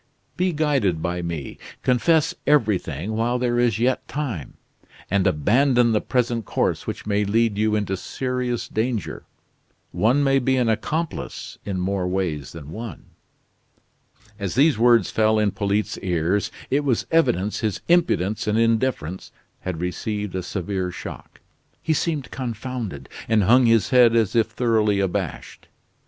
Be guided by me; confess everything, while there is yet time; and abandon the present course which may lead you into serious danger. One may be an accomplice in more ways than one." As these words fell on Polyte's ears, it was evident his impudence and indifference had received a severe shock. He seemed confounded, and hung his head as if thoroughly abashed.